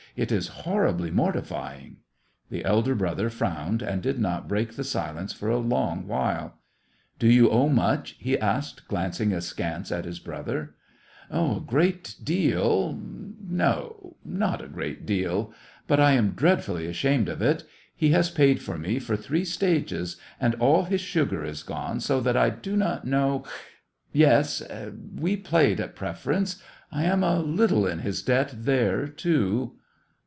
It is horribly mortifying !" The elder brother frowned, and did not break the silence for a long while. Do 'you owe much ?" he asked, glancing askance at his brother. " A great deal — no, not a great deal ; but I am dreadfully ashamed of it. He has paid for me for three stages, and all his sugar is gone, so that I do not know — yes, and we played at preference. I am a little in his debt there, too."